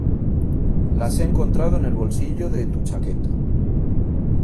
las he encontrado en el bolsillo de tu chaqueta ,